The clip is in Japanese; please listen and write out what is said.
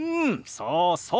そうそう。